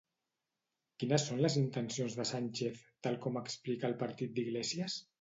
Quines són les intencions de Sánchez, tal com explica el partit d'Iglesias?